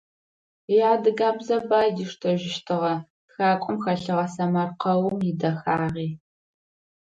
Иадыгабзэ бай диштэжьыщтыгъэ тхакӏом хэлъыгъэ сэмэркъэум идэхагъи.